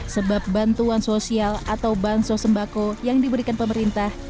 sebab bantuan sosial atau bansos sembako yang diberikan pemerintah